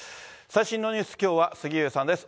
最新のニュース、きょうは杉上さんです。